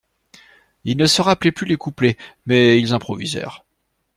Ils ne se rappelaient plus les couplets, mais ils improvisèrent.